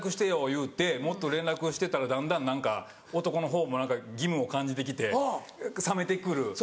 言うてもっと連絡をしてたらだんだん何か男の方も義務を感じてきて冷めてくる。